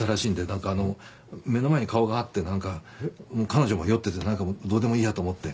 何かあのう目の前に顔があって何か彼女も酔ってて何かどうでもいいやと思って。